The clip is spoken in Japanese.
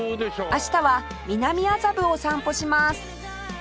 明日は南麻布を散歩します